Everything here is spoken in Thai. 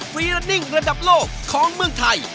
ฟรีรไลนน์รดับโลกของเรืองไทย